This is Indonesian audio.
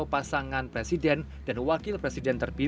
masih belum takut ya